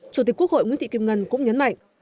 chủ tịch quốc hội nguyễn thị kim ngân cũng nhấn mạnh